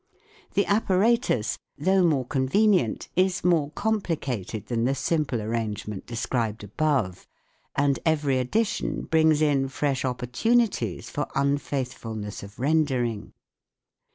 The apparatus, though more SOUND IN WAR 169 convenient, is more complicated than the simple arrangement described above, and every addition brings in fresh opportunities (Fig. 78) for unfaithful ness of rendering.